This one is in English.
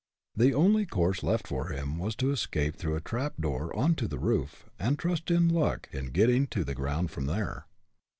The only course left for him was to escape through a trap door onto the roof, and trust to luck in getting to the ground from there.